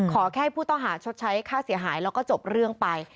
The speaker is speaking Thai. ขอแค่ให้ผู้ต้องหาชดใช้ค่าเสียหายแล้วก็จบเรื่องไป